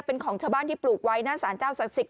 เป็นของชาวบ้านที่ปลูกไว้หน้าสารเจ้าศักดิ์สิทธ